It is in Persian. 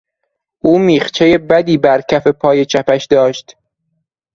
او میخچهی بدی بر کف پای چپش داشت.